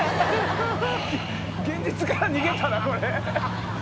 現実から逃げたなこれ。